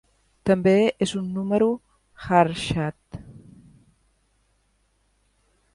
També és un número Harshad.